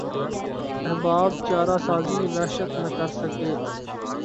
احباب چارہ سازی وحشت نہ کرسکے